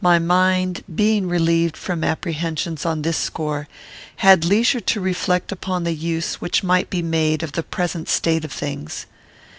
My mind, being relieved from apprehensions on this score, had leisure to reflect upon the use which might be made of the present state of things.